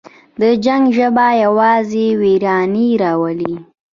د جنګ ژبه یوازې ویرانی راوړي.